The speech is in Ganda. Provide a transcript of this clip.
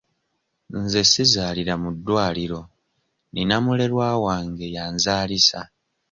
Nze sizaalira mu ddwaliro nina mulerwa wange y'anzaalisa.